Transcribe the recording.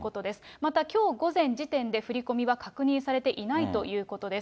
また、きょう午前時点で、振り込みは確認されていないということです。